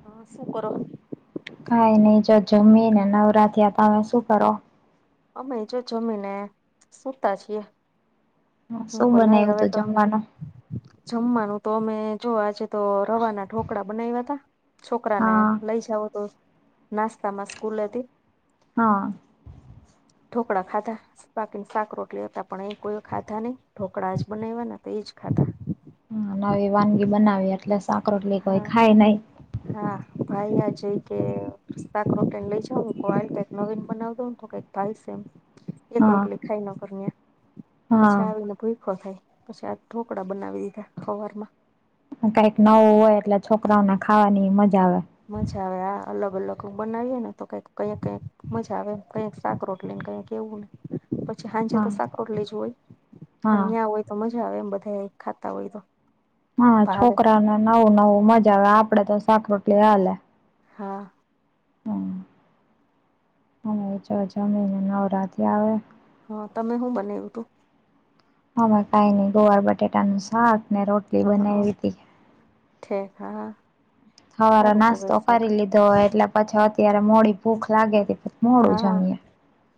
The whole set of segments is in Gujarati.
હા શું કરો.? કઈ નઈ, જો જમી ને નવરા થ્યા. આપ તમે શું કરો.? અમે જો જમીને સૂતા છીએ હ શું ખલાય બનાવ્યું હવે તું તો. જમવાનું? જમવાનું તો અમે જો આજે તો રવાના ઢોકળા બનાવ્યા ત છોકરા ને હા લઈ જાવ તો નાસ્તામાં સ્કૂલેથી હા. ઢોકળા ખાધા બાકીની શાક રોટલી હતા પણ એ કોઈ ખાધા નહી ઢોકળા જ બનાવવાના તો એજ ખાધા હા નવી વાનગી બનાવી એટલે શાક રટલી કોઈ હા ખાય નહ હા ભાઈ આ જઈ કે [inaudible] લઈ જાઉં કઉં આવી રીતે નવીન બનાઈ દોને તો કે ભાઈસ એમ એક હા રોટલી ખાય નકર નયા હા પછી આવીને ભૂયખો થાય પછી આજ ઢોકળા બનાવી દીધા હવારમાં. કાંઈક નવું હોય એટલે છોકરાઓને ખાવાની મજા આવે. મજા આવે હા અલગ અલગ બનાવીએ ને તો કઈક કઈક કઈક મજા આવે કઈક શાક રોટલીને કઈક એવું હોય પછી હાંજે તો હા શાક રોટલી જ હોય પણ હા ન્યાં હોય. તો મજા આવે એમ બધાય ખાતા હોય તો. હા ભાવે છોકરાઓને નવું નવું મજા આવે. આપડે તો શાક રોટલી હાલે. હા. હમ અમે જો જમીને નવરા થયા હવે. હા તમે હું બનેવ્યું તું? હમે કાઈ નહી ગોવાર બટેટાનું શાકને, રોટલી બનાઈવી તી. ઠીક હા. હવારે સારું કેવાય નાસ્તો શાક કરી લીધો હોય એટલે પછી અત્યારે મોડી ભૂખ લાગે કે [inaudible] હા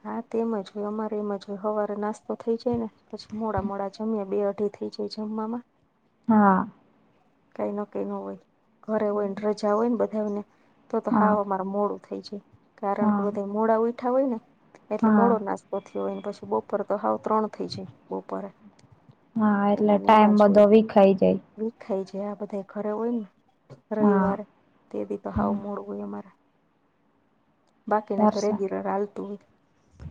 હા તે એમજ હોય અમારે એમજ હોય હવારે નાસ્તો થઈ જાય ને. પછી મોડા મોડા જમીએ. બે અઢી થઇ જાય જમવામાં. હા. કાઈ નકી ન હોય. ઘરે હોયને રજા હોય ને બધાને તો તો હા હાવ અમા મોડું થઈ જાય. કારણ કે હા બધા મોડા ઉઠા હોય ને એટલે હા મોડો નાસ્ તો થયો હોય ને પછી બપોરે તો હાવ ત્રણ થઇ જાય બપોરે. હા એટલે ટાઈમ બધો વીખાઈ જાય. વીખાય જાય હા બધા ઘરે હોય ને. હા રવિવારે તે દી તો હાવ મોડું હોય અમારે. બાકીના તો વરસાદ રેગ્યુલર હાલતું હોય.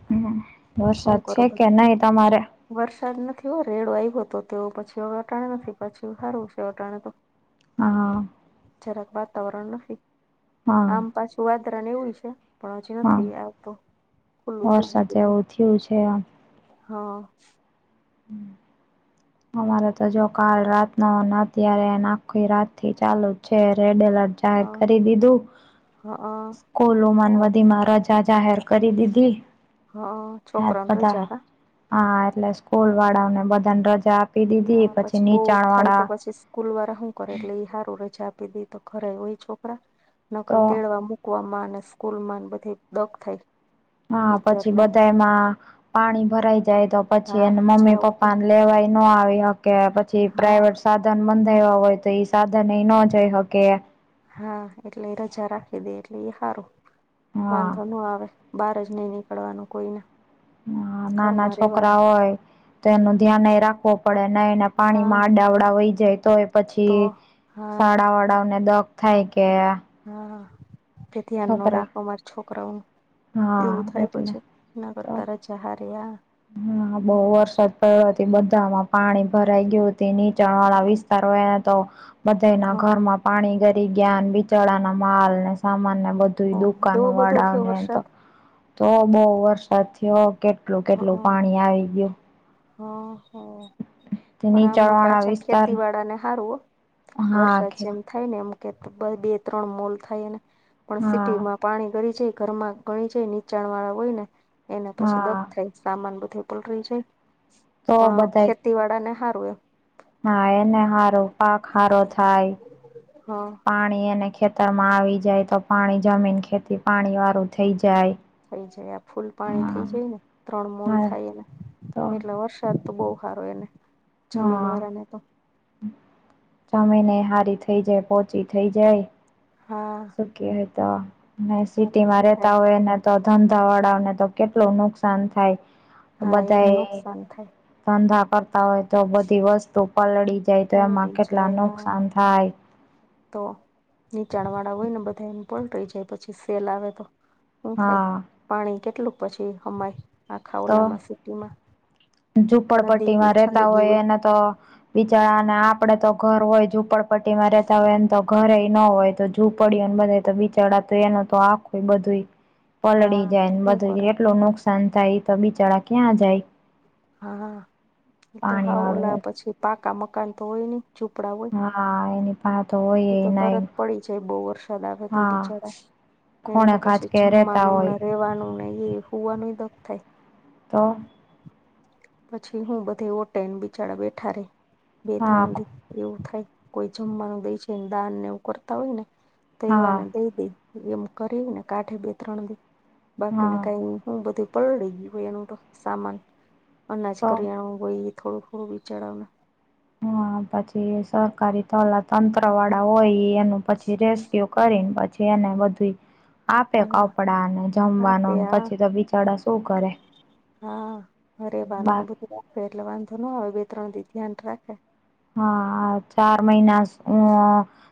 હમ હું વરસાદ કરો છે કે બધા નહી તમારે? વરસાદ નથી હો રેડો આવ્યો તો તો પછી હવે અટાણ નથી પાછું હારું છે અત અટાણે તો. હા. જરાક વાતાવરણ નથી હા આમ પાછું વાદરા ને એવું એ છે. પણ હજી હા નથી આવતો. ખુલ્લું થઈ વરસાદ ગયું બધું. જેવું થયું છે આમ. હા. અમારે તો જો કાલ રાતનો ને અત્યારે ને આખી રાતથી ચાલુ જ છે રેડ એલર્ટ. જાહેર હા કરી દીધું. હા ઓ સ્કૂલોમાં ને બધીમાં રજ જા જાહેર કરી દીધી. હહ આજ બધા. હા એટલે ઓ સ્કૂલવાળાઓને બધાને રજા આપ આપી દીધી. હા પછી બહુ થાય તો નીચાણવાળા પછી સ્કૂલ વારા હું કરે એટલે ઈ હારું રજા આપી દે તો ઘરે હોય છોકરા. નકર તો તેડવા મૂક મૂકવામાં ને સ્કૂલમાં ને બધે એ દક થાય. હા પછી ટીચરને ને. બધાયમાં પાણી ભરાઈ જાય તો પછી હા એને મમ્મી જાવું કે પપ્પાને લેવાય. નો આવી હકે. પછી હા પ્રાઈવેટ સાધન બંધાયવા હોય તો ઈ સાધન એ ન જઈ હકે. હા એટલે એ રજા રાખી દે એટલે ઈ હારું હા વાંધો ન આવે. બાર જ ની નીકળવાનું કોઈને. હહ નાના ઘરમાં છોકરા રહેવાનું હોય. તો એનું ધ્યાનેય રાખવો પડે નઈ ને હા પાણીમાં આડાઅવડા વઈ જાય તોય પછી તો હા શાળા વાળાઓને દક થાય કે હા કે ધ્યાન ન છોકરા રાયખુ અમાર છોકરાઓનું. હા એવું થાય એટલે પછી એના તો કરતા રજા હારી હા. હા બહુ વરસાદ પડ્યો તો બધામાં પાણી ભરાઈ ગયુ તે નીચાણ વાળા વિસ્તાર એને તો બધા ના હા ઘરમાં પાણી ઘરી ગયા ને બિચારાના માલને સામાનને બધ ઓહો એવો દુકાનો બધો થયો વાળાને વરસાદ તો તો બહુ વરસાદ થયો કેટલું કેટલું પાણી આવી ગયું. હ હ. તે પણ નીચાણ આમાં વાળા પાછા વિસ્તાર ખેતી વાળા ને હારુ હો હા વરસાદ ખે જેમ થાય ને એમ કે બે ત્રણ મોલ થાયને પણ હા સિટીમાં પાણી ગરી જાય ઘરમાં ગણી જાય નીચાણ વાળા હોય ને એને પછી દક હા થાય. સામાન બધી પલરી જાય તો ખેતી વાડા ને સારું એમ હા એને સારો પાક સારો થાય હા પાણી એને ખે ખેતરમાં આવી જાય તો પાણી જમીન ખેતી પાણી વાળું થઈ જાય. થઈ જાય આ ફૂલ પાણી થઈ હા જાય ને ત્રણ મોલ હા થાયને તો એટલે વર્ષ સાદ તો બોવ સારો એને જમીન હા વાળાને તો જમીને સારી થઇ જાય પોચી થઇ જાય. હા. શું તો ને સિટીમાં હા રેતા હોય ને તો ધંધાવાળાઓને તો કેટલું નુકસાન થાય હા એને બધાએ નુકસાન થાય ધંધા કરતા હોય તો બધી વસ્તુ પલળી જાય તો એમાં પલળી કેટલા જાય હા નુકસાન થાય. તો નીચાણ વાળા હોય ને બધા એમ પલ્ટ્રી જાય પછી સેલ આવે તો શું થાય હા પાણી કેટલું પછી હમાય આખા ઓલામાં સિટીમાં નદી ઝૂપડપટ્ટીમાં રહેેતા છંડી ગઈ હોય એના તો બીચારાને આપડે તો ઘર હોય ઝૂપડપટ્ટી માં રેતા હોય એને તો ઘરેય ન હોય તો ઝૂંપડીઓને બધા તો બિચાર તો એનું તો આખું બધું પલળી હા જાય તો ને શું બધું કરે કેટલું નુકસાન થાય તો બિચાડા ક્યાં જાય? હા એતો પાણી હાવ વાળું ઓલા પછી પાકા મકાન તો હોય નઈ ઝૂપડા હો હોય હા એની પાતો હોય એ તો નઈ તરત પડી જાય બહુ વરસાદ આવે તો હા બિચાડા. એને તો ખૂણે પછી ખાંચકે રેતા જમવાનું ને હોય રેવાનું ને એ હુવાનું એ દખ થાય. તો પછી હું બધે ઓટેન બિ ચરવે બેઠા રે બે હા ત્રણ દિ એવું થાય કોઈ જમવાનું દે છેને દાન ને એવું કરતા હોય ને તો એવાને હા દઈ દે. એમ કરીને કાઠે બે ત્રણ દે બાકીનુ હા કાઈની. હું બધું પલડી ગયો હોય એનું તો સામાન. અનાજ તો કરીયાણું હોય થોડું થોડું. [unintelligible] હા, પછી સરકારી તલા તંત્ર વાળા હોય એ એનું પછી રેસ્ક્યુ કરીને પછી એને બધું ઈ આપે હા કપડા ને આપે જમવાનું હા પછી તો બિચારા શું કરે? હા, અરે બા વાનું બધું રાખે એટલે વાંધો ના આવે બે ત્રણ દિન ધ્યાન રાખે. હા, ચાર મહિના. [unintelligible]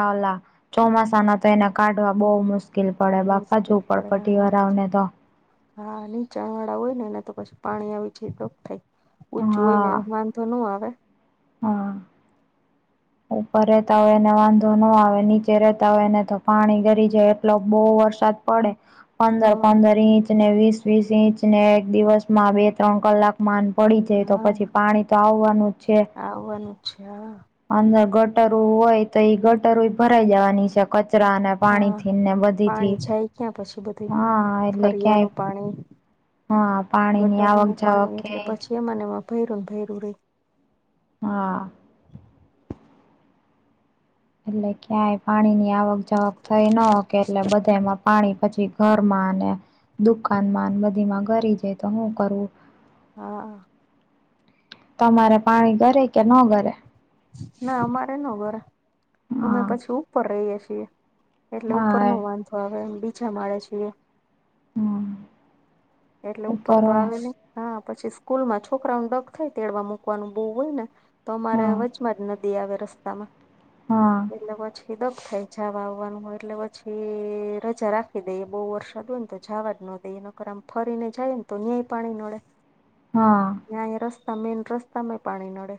આવલા ચોમાસાના તો એને કાઢવા બો મુશ કેલ પડે બાપા મુશ્કેલ પડે ઝોપરપટ્ટી હા વાળા ઓને તો હા, નીચાણ વાળા હોય ને એને તો પછી પાણી આવી જાય. [unintelligible] ઊચું હા હોયને વાંધો ન આવે. હા. ઉપર રેતા હોયને વાંધો ન આવે નીચે રેતા હોય ને તો પાણી ગરી જાય એટલો બો વરસાદ પડે હ પંદર પંદર ઇંચને વીસ વીસ ઇંચને એક દિવસમાં બે ત્રણ કલાક માન પડી જાય તો હા પછી પાણી તો આવવાનું જ છે. [unintelligible] અંદર ગટરો હોય તો ઈ ગટરોય ભરાઈ જવાની શ હા, પાણી જાય ક્યા પછી બધું હા એટલે ફરિયાનું ક્યાંય પાણી હા પાણીની આવક ગટરનું જાવક પાણી એટલે ક્યાંય પછી એ મને એમાં ભૈરું ને ભૈરું રેય. હા. એટલે ક્યાંય પાણીની આવક જાવક થઈ ન હો કે એટલે બધેમાં પાણી પછી ઘરમાંને દુકાનમાં બધીમાં ગરી જાય તો હું કરું? હા. તમારે પાણી ગરે કે ન ગરે? ના અમારે ન ગરે, અમે હા પછી ઉપર રહીએ છીએ. એટલે ઉપર હા નો વાંધો આવે બીજા માળે છીએ. હમ્મ. એટલે ઉપર તો આવેની. હા, પછી સ્કૂલમાં છોકરાનું દગ થાય તેડવા મૂકવાનું બો હોય ને તો અમારે હા વચમાં જ ન લીયાવે રસ્તામાં. હા. એટલે પછી દગ થાય જવા આવવાનું હોય એટલે પછી રજા રાખી દઈએ બો વરસાદ હોયને તો. જવા જ નો દે એનો કર આમ ફરીને જાય ને તો અયાંય પાણી નડે. હા. ત્યાય રસ્તા મેન રસ્તામાંય પાણી નડે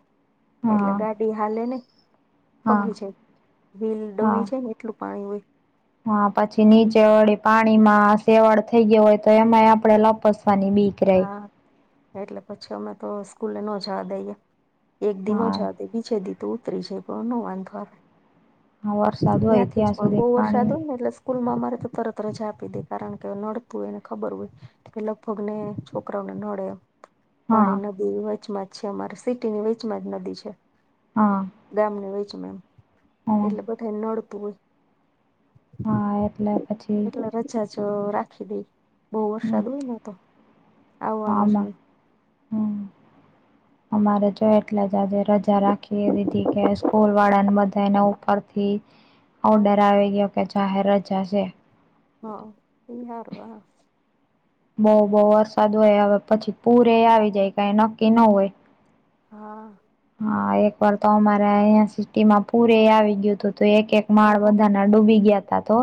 હા એટલે ગાડી હાલેની હા ફગી છે વીલ હા ડબી છે ને એટલું પાણી હોય. હા, પછી નીચે વળી પાણીમાં સેવડ થઈ ગય હોય તો એમાંય આપડે લપશ વાની બીક રેય. હા એટલે પછી અમે તો સ્કૂલે ન જવા દઈએ. એક દિનો હા જ બીજે દી તો ઉતરી જાય પણ નો વાંધો આવે. હા વરસાદ હોય ત્યાંથી જ ત્યાં પણ બો સુધી વરસાદ પાણી હોય ને એટલે સ્કૂલમાં અમારે તો તરત રજા આપી દે કારણ કે નડતું હોયને ખબર હોય કે લગભગને છોકરાઓને નડે એમ હા પાણી નદી વચમાં જ છે અમારે સિટીની વેચમાં જ નદી છે. હા દેમને વીચમે એમ હા એટલે બધાને નડતું હોય. હા, એટલે પછી રજાજ રાખી દઈએ બો હમ વરસાદ હોયને તો. આવવાનું છે આમાં હમ્મ અમારે જો એટલા જ આજે રજા રાખી દીધી કે સ્કૂલ વાળા ને બધા એના ઉપરથી હા ઓર્ડર આવી ગયો કે જાહેર રજા છે. હા ઈ હાર હે. બહુ બહુ વરસાદ હોય હવે પછી પૂરે આવી જાય કઈ નક્કી ન હોય. હા. હા એક વાર તો અમારે અહિયાં સિટી માં પૂરે આવી ગયું હતું તો એક એક માળ ઓહો બધાના ડૂબી ગયા તા તો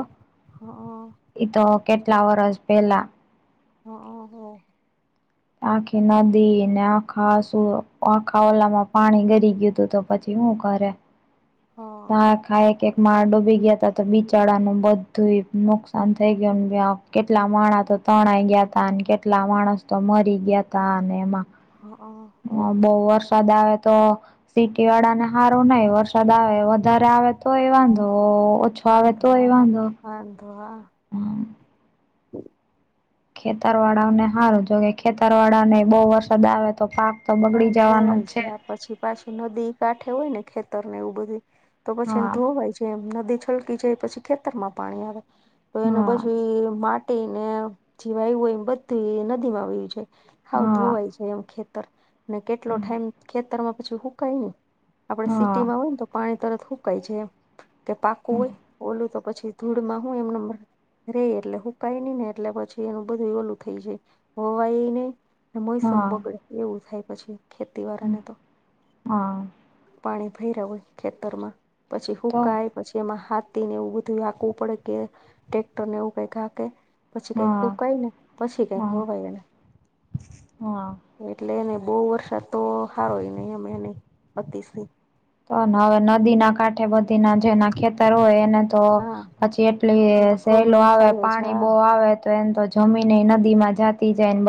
હા એ તો કેટલા વરષ પેલા હાક હ. આખી નદી ને આખા શું આખા ઓલામાં પાણી ગરી ગયું હતું તો પછી શું કરે, હા તમે એક એક માર કરવા ડૂબી ગયા તા તો બિચારાનું બધું નુકસાન થઈ ગયુંને કેટલા માણા તો તણાઈ ગયા તા અને કેટલા માણસ તો મરી ગયા તા અને એમાં હાક. હા બહુ વરસાદ આવે તો સીટી વાળા ને સારો નહ વરસાદ આવે વધારે આવે તો એ વાંધ છ તોય વાંધો. આંધવા. હમ્મ. હમ ખેતરવાળાઓને હારું જો કે ખેતરવાળાને બહુ વરસાદ આવે તો પાક તો બગડી જાવાનું છે. પાછું નદી કાંઠે હોય ને ખેતરને એવું બધુંય તો પછી એ હા ધોવાય એમ નદી છલકી જાય પછી ખેતરમાં પાણી આવે તો એના હા બાજુ ઈ મા ટીને એ જીવાયુ હોય એ બધુંય નદીમાં વયુ જાય હાવ હા ધોવાય જા એમ ખેતર ને કેટલો ટાઈમ ખેતરમાં પછી હુકાય નઈ આપડે હા સિટીમાં હોય ને તો પાણી તરત હુકાય જાર એમ કે પાકું હા હોય ઓલું તો પછી ધૂળમાં હું એમનેમ રે એટલે હુંકાય નહીં ને એટલે પછી એનું બધુંય ઓલું થઈ જાય હોવાય નઈ. મોયસમ હા બગડે એવું થાય પછી ખેતીવારાને તો. હા પાણી ભયરા હોય ખેતરમાં પછી તો હુકાય પછી એમાં હાથીને એવું બધું લાગવું પડે કે ટ્રેક્ટર ને એવું કાઈક રાકે. પછી કઈક હા હુકાયને પછી કાઈક હા વવાય એને હા એટલે એને બઉ વરસાદ તો સારોય નહીં એમ એનેય અતિશી. તો હવે નદીના કાંઠે બધીના જેના ખેતર હોય એને તો હા પછી એ તો એટલી સહેલો પ્રોબ્લેમ આવે થાય જ પાણી હા બો આવે. તો એન તો જમીનેય નદીમાં જાત.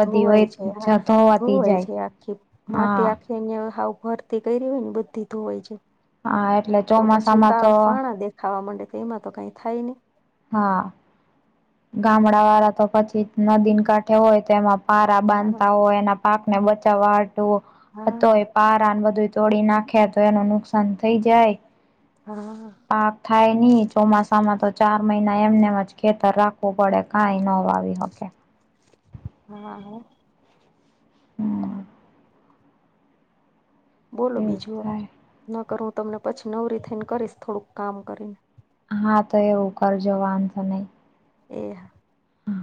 ધોવાય છે હા ધોવાય જાય છે આખી હા માટી આખી જેન હાવ ભરતી કયરી હોયને બધી ધોવાઈ જાય. આ એટલે તો પછી ચોમાસામાં કા તો પાણા દેખાવા માંડે તો એમાં તો કાઈ થાય નહીં. હા, ગામડાવાળા તો પછી નદીન કાંઠે હોય તો એમાં પારા હા બાંધતા હોય એના પાકને બચાવવા હાટુ પણ હા તોય પારાન બધું તોડી નાખે તો એનું નુકસાન થઈ જાય. હા. પાક થાય ની ચોમાસામાં તો ચાર મહિના એમને એમ જ ખેતર રાખવું પડે કાઈ નો વાવી હકે. હા હા. હમ્મ. બોલો એવું બીજું હવે થાય નકર હું તમને પછી નવરી થઈને કરીશ થોડુંક કામ કરીને. હા તો એવું કરજો વાંધો તો નહીં. એ હા. હ.